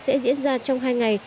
sẽ diễn ra trong hai ngày